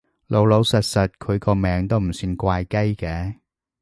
老老實實，佢個名都唔算怪雞嘅